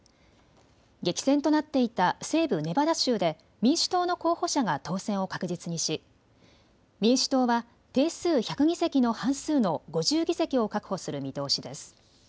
激戦となっていた西部ネバダ州で民主党の候補者が当選を確実にし民主党は定数１００議席の半数の５０議席を確保する見通しです。